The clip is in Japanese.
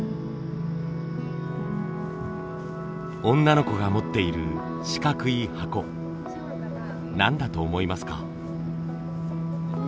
女の子が持っている四角い箱何だと思いますか？